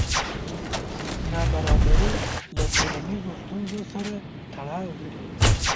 نابرابري له ټولنیزو ستونزو سره تړاو لري.